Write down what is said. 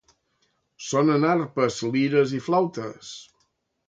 Sonen arpes, lires i flautes!